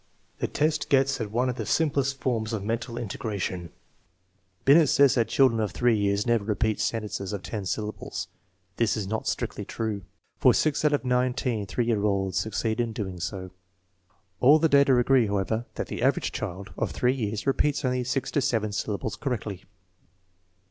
The test gets at one of the simplest forms of mental integration. Binet says that children of 3 years never repeat sentences 150 THE MEASUREMENT OF INTELLIGENCE of ten syllables. This is not strictly true, for six out of nine teen 3 year olds succeeded in doing so. All the data agree, however, that the average child of 3 years repeats only six to seven syllables correctly.